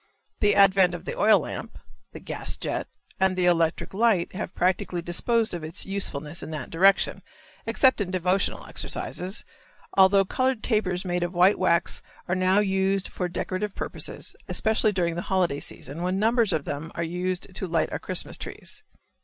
The advent of the oil lamp, the gas jet, and the electric light have practically disposed of its usefulness in that direction, except in devotional exercises, although colored tapers made of white wax are now used for decorative purposes, especially during the holiday season, when numbers of them are used to light our Christmas trees.